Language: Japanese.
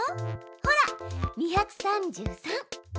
ほら２３３。